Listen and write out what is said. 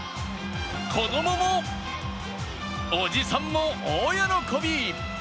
子供も、おじさんも、大喜び。